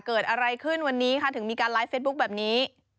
เกิดอะไรขึ้นวันนี้ค่ะถึงมีการไลฟ์เฟซบุ๊คแบบนี้